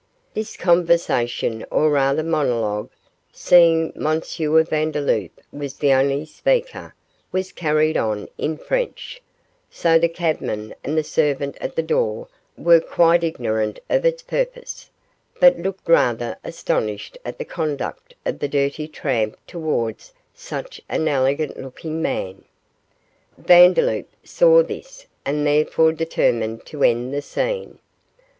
This conversation or rather monologue, seeing M. Vandeloup was the only speaker, was carried on in French, so the cabman and the servant at the door were quite ignorant of its purport, but looked rather astonished at the conduct of the dirty tramp towards such an elegant looking gentleman. Vandeloup saw this and therefore determined to end the scene.